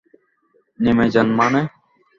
নেমে যান মানে?